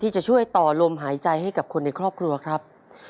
จะช่วยต่อลมหายใจให้กับคนในครอบครัวครับ